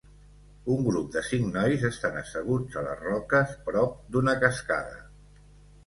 Un grup de cinc nois estan asseguts a les roques prop d'una cascada.